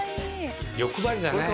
欲張りだね。